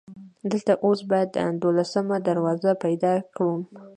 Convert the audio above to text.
دلته اوس باید دولسمه دروازه پیدا کړم.